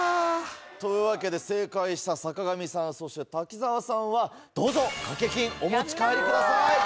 というわけで正解した坂上さんそして滝沢さんはどうぞ賭け金お持ち帰りください。